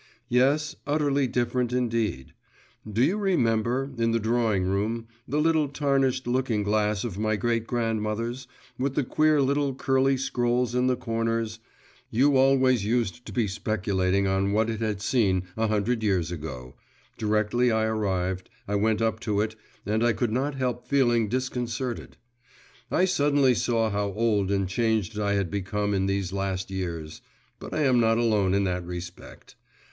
Yes, utterly different, indeed; do you remember, in the drawing room, the little tarnished looking glass of my great grandmother's, with the queer little curly scrolls in the corners you always used to be speculating on what it had seen a hundred years ago directly I arrived, I went up to it, and I could not help feeling disconcerted. I suddenly saw how old and changed I had become in these last years. But I am not alone in that respect.